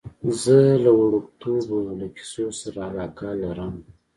زه له وړکتوبه له کیسو سره علاقه لرم.